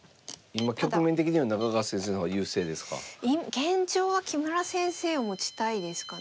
現状は木村先生を持ちたいですかね。